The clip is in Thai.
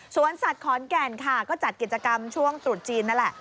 สัตว์ขอนแก่นค่ะก็จัดกิจกรรมช่วงตรุษจีนนั่นแหละ